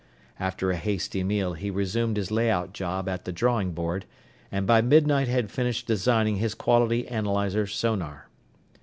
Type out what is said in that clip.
After a hasty meal, he resumed his layout job at the drawing board and by midnight had finished designing his quality analyzer sonar.